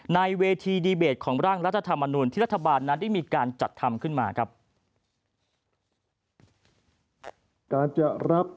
ในเวทีดีเบตของร่างรัฐธรรมนุนที่รัฐบาลนั้นได้มีการจัดทำขึ้นมาครับ